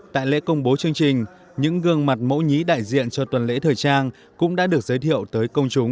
tại lễ công bố chương trình những gương mặt mẫu nhí đại diện cho tuần lễ thời trang cũng đã được giới thiệu tới công chúng